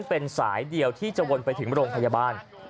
เป็นสายเดียวที่จะวนไปถึงโรงพยาบาล